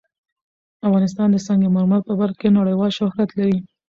افغانستان د سنگ مرمر په برخه کې نړیوال شهرت لري.